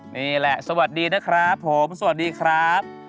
นี่แหละสวัสดีนะครับผมสวัสดีครับ